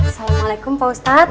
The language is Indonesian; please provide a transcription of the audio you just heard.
assalamualaikum pak ustadz